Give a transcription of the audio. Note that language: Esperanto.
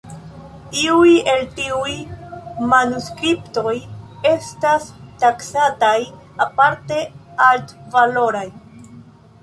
Iuj el tiuj manuskriptoj estas taksataj aparte altvaloraj.